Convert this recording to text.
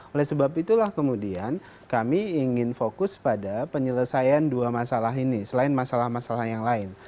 oleh sebab itulah kemudian kami ingin fokus pada penyelesaian dua masalah ini selain masalah masalah yang lain